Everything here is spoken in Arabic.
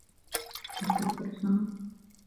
هل تذكر اسمها؟